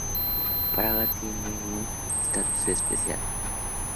Praga tiene un estatus especial.